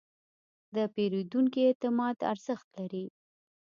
د پیرودونکي اعتماد ارزښت لري.